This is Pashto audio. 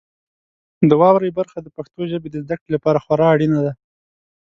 د واورئ برخه د پښتو ژبې د زده کړې لپاره خورا اړینه ده.